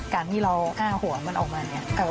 การที่เราอ้าหัวมันออกมาเนี่ย